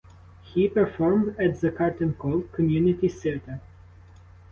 He performed at the Curtain Call community theater.